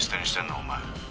お前。